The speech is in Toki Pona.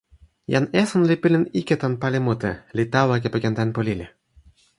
jan esun li pilin ike tan pali mute, li tawa kepeken tenpo lili.